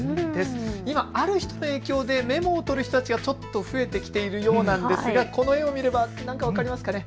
今、ある人の影響でメモをとる人たちがちょっと増えてきているようなんですが、この絵を見れば何か分かりますかね。